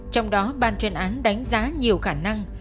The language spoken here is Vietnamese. trong đó ban chuyên án đánh giá nhiều khả năng